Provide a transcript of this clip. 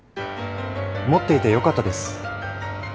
持っていてよかったです